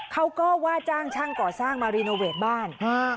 เขาก็ว่าจ้างช่างก่อสร้างมารีโนเวทบ้าน